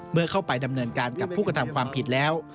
เมื่อเข้าไปดำเนินการกับผู้กระทำความผิดแล้ว